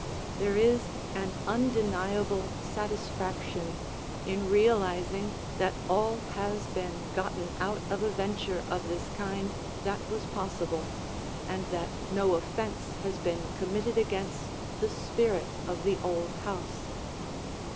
There is an undeniable satisfaction in realizing that all has been gotten out of a venture of this kind that was possible, and that no offense has been committed against the spirit of the old house.